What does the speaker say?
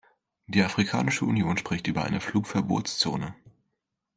Die Afrikanische Union spricht über eine Flugverbotszone.